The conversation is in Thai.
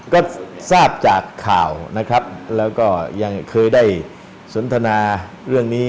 ก็ทราบจากข่าวนะครับแล้วก็ยังเคยได้สนทนาเรื่องนี้